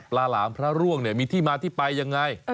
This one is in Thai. หลามพระร่วงเนี่ยมีที่มาที่ไปยังไง